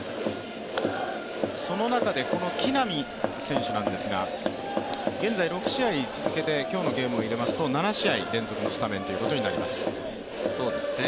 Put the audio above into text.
その中で、この木浪選手ですが、現在６試合続けて、今日のゲームを入れますと７試合連続のスタメンということになります。